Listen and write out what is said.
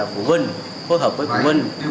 phụ huynh hối hợp với phụ huynh